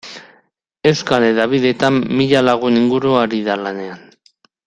Euskal hedabideetan mila lagun inguru ari da lanean.